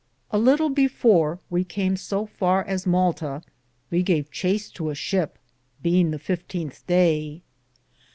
A litle before we cam so farr as Malta, we gave chace to a shipe, beinge the 15th daye.